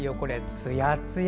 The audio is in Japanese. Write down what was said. つやつや。